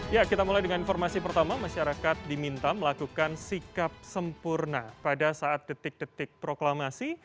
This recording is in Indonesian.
ya kita mulai dengan informasi pertama masyarakat diminta melakukan sikap sempurna pada saat detik detik proklamasi